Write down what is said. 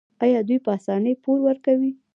آیا دوی په اسانۍ پور ورکوي؟